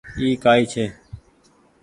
اي ڪآئي ڇي ۔